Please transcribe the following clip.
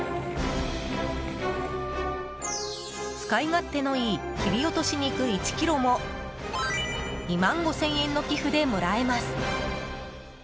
使い勝手のいい切り落とし肉１ｋｇも２万５０００円の寄付でもらえます。